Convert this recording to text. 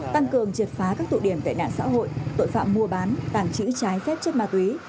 tăng cường triệt phá các tụi điểm tệ nạn xã hội tội phạm mua bán tảng trữ trái xét chất ma tí